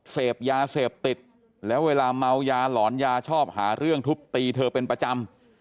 เสพยาเสพติดแล้วเวลาเมายาหลอนยาชอบหาเรื่องทุบตีเธอเป็นประจำ